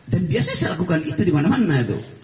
dan biasanya saya lakukan itu di mana mana